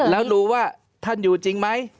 แล้วดูว่าท่านอยู่จริงไหม